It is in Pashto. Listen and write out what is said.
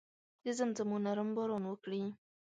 د زمزمو نرم باران وکړي